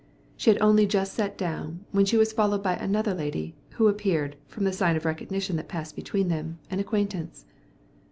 She had only just sat down, when she was followed by another lady, who appeared, from the sign of recognition that passed between them, an acquaintance.